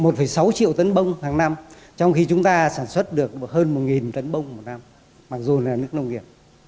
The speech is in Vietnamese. một sáu triệu tấn bông hằng năm trong khi chúng ta sản xuất được hơn một tấn bông một năm mặc dù là nước nông nghiệp